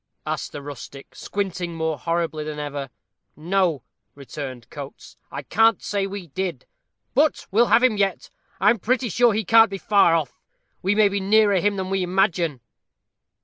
asked the rustic, squinting more horribly than ever. "No," returned Coates, "I can't say we did; but we'll have him yet. I'm pretty sure he can't be far off. We may be nearer him than we imagine."